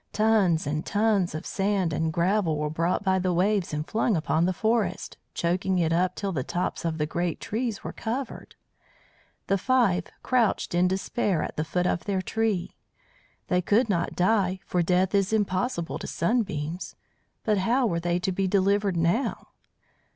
Tons and tons of sand and gravel were brought by the waves and flung upon the forest, choking it up till the tops of the great trees were covered. The five crouched in despair at the foot of their tree. They could not die, for death is impossible to Sunbeams; but how were they to be delivered now?